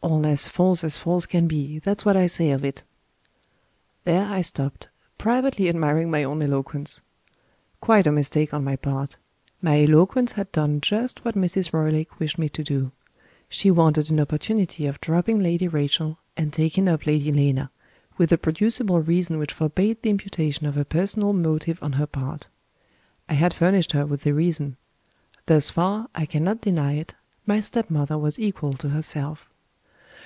All as false as false can be that's what I say of it." There I stopped, privately admiring my own eloquence. Quite a mistake on my part; my eloquence had done just what Mrs. Roylake wished me to do. She wanted an opportunity of dropping Lady Rachel, and taking up Lady Lena, with a producible reason which forbade the imputation of a personal motive on her part. I had furnished her with the reason. Thus far, I cannot deny it, my stepmother was equal to herself.